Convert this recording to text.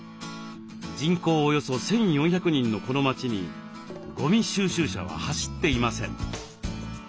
人口およそ１，４００人のこの町にゴミ収集車は走っていません。